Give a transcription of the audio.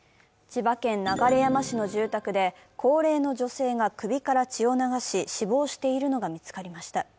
千葉県流山市の住宅で高齢の女性が首から血を流し死亡しているのが見つかりました。